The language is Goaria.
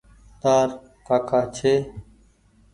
تآر ڪآڪآ ڇي۔